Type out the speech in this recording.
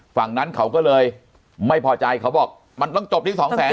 ฝั่งนั้นเขาก็เลยไม่พอใจเขาบอกมันต้องจบที่สองแสน